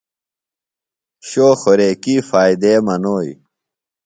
شو خوریکی فائدے منوئی؟